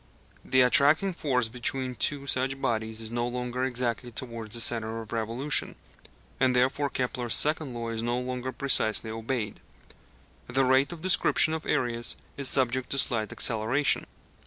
The attracting force between two such bodies is no longer exactly towards the centre of revolution, and therefore Kepler's second law is no longer precisely obeyed: the rate of description of areas is subject to slight acceleration.